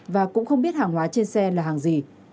và cũng không biết hàng hóa trên xe là hàng gì